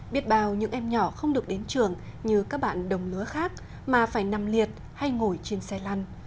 biết bao những em nhỏ không được đến trường như các bạn đồng lứa khác mà phải nằm liệt hay ngồi trên xe lăn